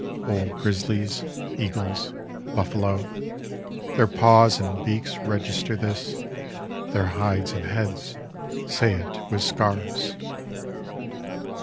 Old grizzlies, eagles, buffalo, Their paws and beaks register this. Their hides and heads say it with scars.